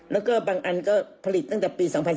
แล้วก็บางอันก็ผลิตตั้งแต่ปี๒๔